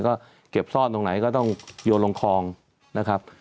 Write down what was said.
ก็เก็บซ่อนตรงไหนก็ต้องโยนลงคลองนะครับ